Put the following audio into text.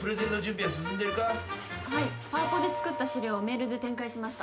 パワポで作った資料をメールで展開しました。